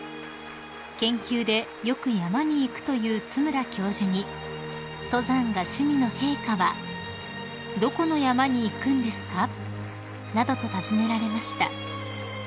［研究でよく山に行くという津村教授に登山が趣味の陛下は「どこの山に行くんですか？」などと尋ねられました］